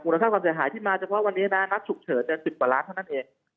ถ้าความเสียหายที่มาเฉพาะวันนี้นะนัดฉุกเฉิน๑๐กว่าล้านเท่านั้นเอง